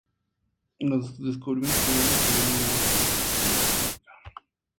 Los descubrimientos de Wöhler tuvieron gran influencia en la teoría de la química.